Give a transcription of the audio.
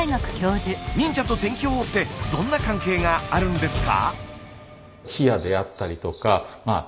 忍者と天気予報ってどんな関係があるんですか？